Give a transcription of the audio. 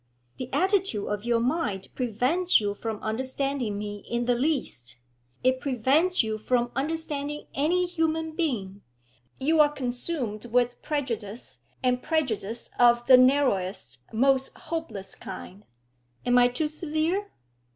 The attitude of your mind prevents you from understanding me in the least; it prevents you from understanding any human being. You are consumed with prejudice, and prejudice of the narrowest, most hopeless kind. Am I too severe?'